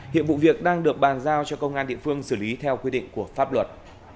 hiện vụ việc đang được bàn giao cho công an địa phương xử lý theo quy định của pháp luật